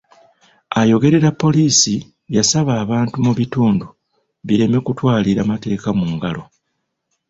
Ayogerera poliisi yasaba abantu mu bitundu bireme kutwalira mateeka mu ngalo.